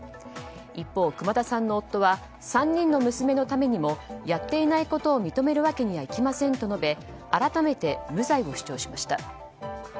一方、熊田さんの夫は３人の娘のためにもやっていないことを認めるわけにはいきませんと述べ改めて無罪を主張しました。